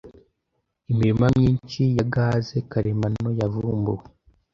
imirima myinshi ya gaze karemano yavumbuwe